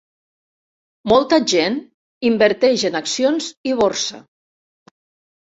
Molta gent inverteix en accions i borsa